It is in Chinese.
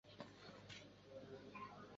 自由女神像就位于国家自由纪念区之内。